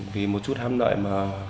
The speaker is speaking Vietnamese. vì một chút hám lợi mà giờ phải trả giá